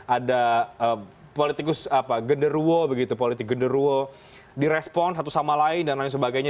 ada politikus genderuo direspon satu sama lain dan lain sebagainya